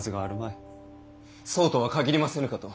そうとは限りませぬかと。